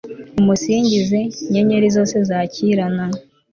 mumusingize, nyenyeri zose zakirana